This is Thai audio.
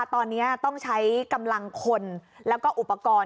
ตอนนี้ต้องใช้กำลังคนแล้วก็อุปกรณ์